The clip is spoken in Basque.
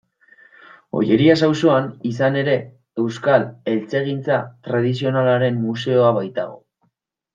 Ollerias auzoan, izan ere, Euskal Eltzegintza Tradizionalaren Museoa baitago.